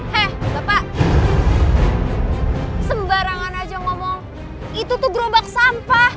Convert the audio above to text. heh bapak sembarangan aja ngomong itu tuh gerobak sampah